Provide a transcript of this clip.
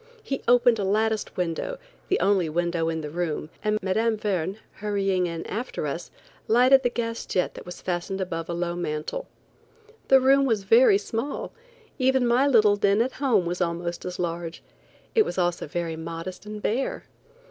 He opened a latticed window, the only window in the room, and Mme. Verne, hurrying in after us, lighted the gas jet that was fastened above a low mantel. The room was very small; even my little den at home was almost as large. It was also very modest and bare.